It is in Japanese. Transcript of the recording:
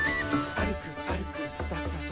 「あるくあるくスタスタと」